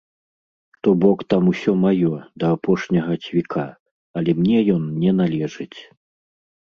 То бок там усё маё, да апошняга цвіка, але мне ён не належыць.